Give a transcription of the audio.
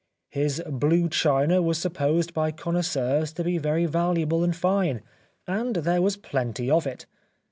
His blue china was supposed by connoisseurs to be very valuable and fine, and there was plenty of it.